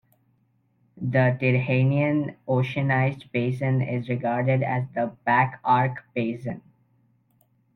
The Tyrrhenian oceanized basin is regarded as the back-arc basin.